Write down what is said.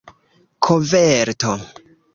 koverto